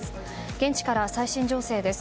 現地から最新情勢です。